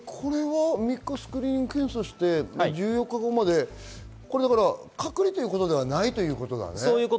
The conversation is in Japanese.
３日間スクリーニング検査をして１４日後まで隔離ということではないんだね。